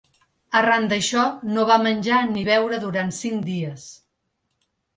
I arran d’això, no va menjar ni beure durant cinc dies.